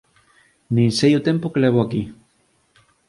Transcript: Nin sei o tempo que levo aquí!